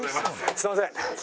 すみません！